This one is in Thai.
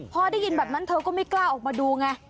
พอได้ยินแบบนั้นเธอก็ไม่กล้าออกมาดูไง